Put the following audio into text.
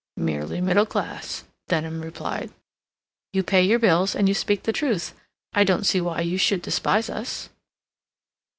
"Merely middle class," Denham replied. "You pay your bills, and you speak the truth. I don't see why you should despise us."